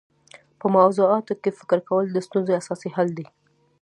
په موضوعاتو کي فکر کول د ستونزو اساسي حل دی.